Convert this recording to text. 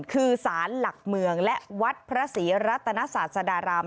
คือสารหลักเมืองและวัดพระศรีรัตนศาสดาราม